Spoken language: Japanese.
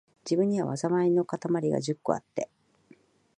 自分には、禍いのかたまりが十個あって、